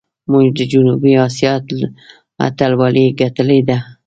موږ د جنوبي آسیا اتلولي ګټلې ده.